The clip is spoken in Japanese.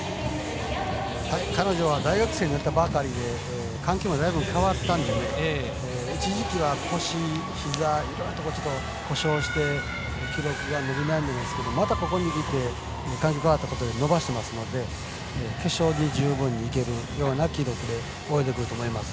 彼女は大学生になったばかりで環境もだいぶ変わったので一時期は、腰、ひざいろんなところを故障して記録が伸び悩んでいますけどまたここにきて伸ばしてますので決勝に十分にいけるような記録が出てくると思います。